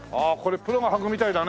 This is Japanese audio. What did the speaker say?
プロが履くみたいだね。